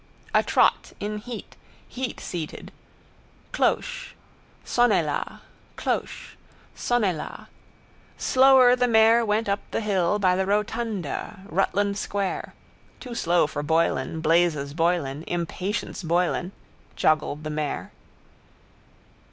Atrot, in heat, heatseated. Cloche. Sonnez la. Cloche. Sonnez la. Slower the mare went up the hill by the Rotunda, Rutland square. Too slow for Boylan, blazes Boylan, impatience Boylan, joggled the mare.